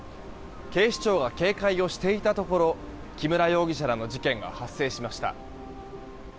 警視庁が警戒をしていたところ木村容疑者らの事件が発生しました。